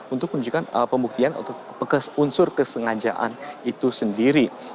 untuk menunjukkan pembuktian atau unsur kesengajaan itu sendiri